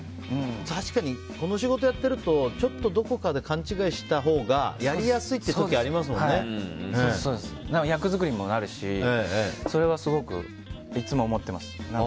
確かに、この仕事をやっているとちょっとどこかで勘違いしたほうがやりやすいっていう時役作りにもなるしそれはすごくいつも思ってます。